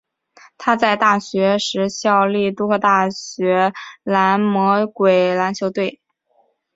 他在大学时效力杜克大学蓝魔鬼篮球队。